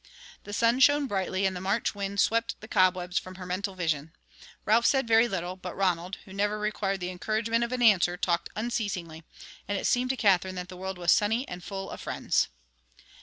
The sun shone brightly and the March wind swept the cobwebs from her mental vision. Ralph said very little; but Ronald, who never required the encouragement of an answer, talked unceasingly, and it seemed to Katherine that the world was sunny and full of friends.